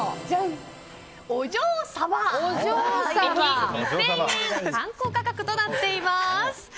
お嬢サバ、１匹２０００円参考価格となっています。